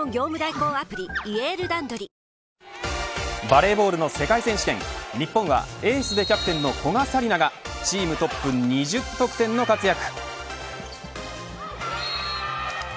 バレーボールの世界選手権日本はエースでキャプテンの古賀紗理那がチームトップ２０得点の活躍。